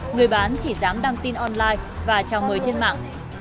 người bán chỉ dám đăng tin online và chào mời trên mạng